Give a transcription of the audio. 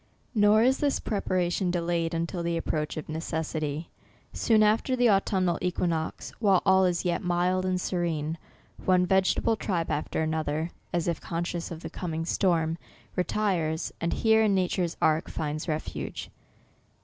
Nor is this preparation delayed until the approach of necessity. Soon after the au tumnal equinox, while all is yet mild and se rene, one vegetable tribe after another, as if conscious of the coming storm, retires, and here, in nature's ark, finds refuge.